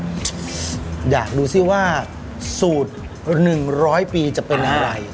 เดี๋ยวดูสิว่าสูตรหนึ่งร้อยปีจะเป็นอะไร